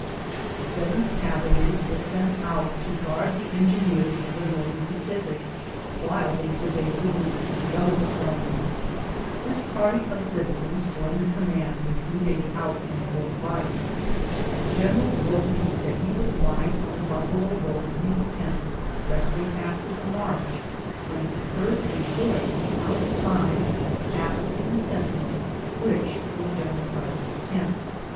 The 7th Cavalry were sent out to guard the engineers of the Northern Pacific, while they surveyed the route to the Yellowstone. This party SEPARATION AND REUNION. 91 of citizens joined the command a few days out from Fort Rice. The general wrote me that he was lying on the buffalo robe in his tent, resting after the march, when he heard a voice outside asking the sentinel which was General Custer's tent.